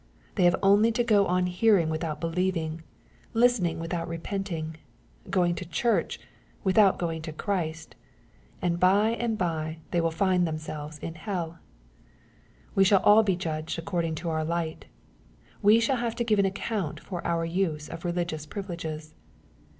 They have only to go on hearing without believing, listening without repenting. MATTHEW, CHAP. X. 97 going to Church without going to Christ, and hy and bye they will find themselves in hell I We shall all be judged according to our ligEtT We shall have to give account of our use of religious privileges.